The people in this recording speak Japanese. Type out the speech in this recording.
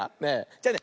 じゃあね